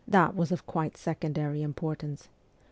that was of quite secondary importance.